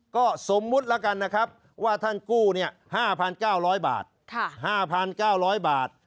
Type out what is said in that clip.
ก็สมมุติแล้วกันนะครับว่าท่านกู้๕๙๐๐บาท๕๙๐๐บาท